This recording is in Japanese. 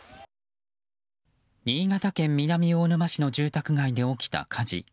新潟県南魚沼市の住宅街で起きた火事。